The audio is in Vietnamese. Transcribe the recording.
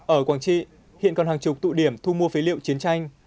ở quảng trị hiện còn hàng chục tụ điểm thu mua phế liệu chiến tranh